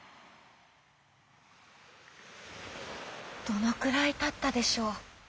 どのくらいたったでしょう。